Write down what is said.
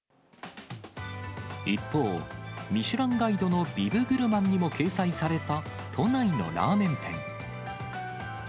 一方、ミシュランガイドのビブグルマンにも掲載された都内のラーメン店。